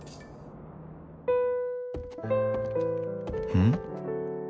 うん？